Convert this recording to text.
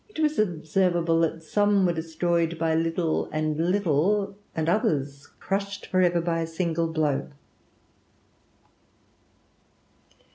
It was observable that some were destroyed by little and little, and others crushed for ever by a single blow.